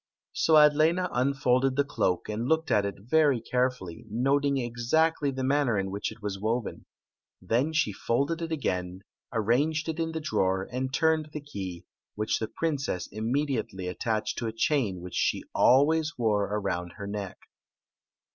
So Adlena unfolded the cloak and looked at it very carefully, noting exactly the manner in which it waft woven. Then she folded it again, ananged it in the drawer, and turned the key, which the princess imme diatdy attached to a chain which she always wore around her neck.